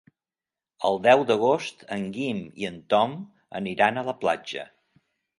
El deu d'agost en Guim i en Tom aniran a la platja.